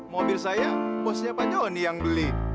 mobil saya bosnya pak john yang beli